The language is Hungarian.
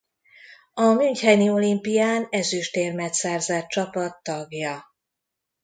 A müncheni olimpián ezüstérmet szerzett csapat tagja.